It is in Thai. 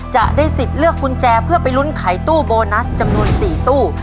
จะได้สิทธิ์เลือกกุญแจเพื่อไปลุ้นไขตู้โบนัสจำนวน๔ตู้